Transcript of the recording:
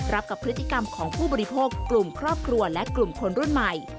กับพฤติกรรมของผู้บริโภคกลุ่มครอบครัวและกลุ่มคนรุ่นใหม่